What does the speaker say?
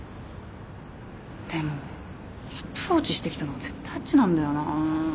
でもアプローチしてきたのは絶対あっちなんだよな。